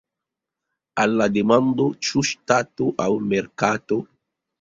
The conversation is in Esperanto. Al la demando "Ĉu ŝtato aŭ merkato?